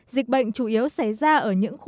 dịch bệnh chủ yếu xảy ra ở những khu